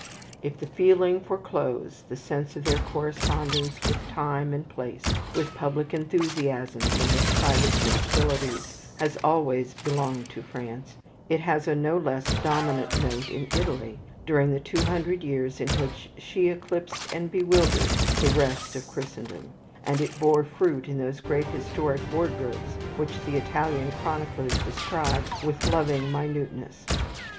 If the feeling for clothes, the sense of their correspondence with time and place, with public enthusiasms and with private sensibilities, has always belonged to France, it was a no less dominant note in Italy during the two hundred years in which she eclipsed and bewildered the rest of Christendom; and it bore fruit in those great historic wardrobes which the Italian chroniclers describe with loving minuteness.